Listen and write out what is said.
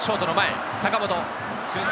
ショートの前、坂本。